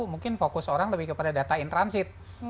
mungkin fokus orang lebih kepada data in transit